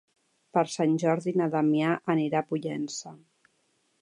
Per Sant Jordi na Damià anirà a Pollença.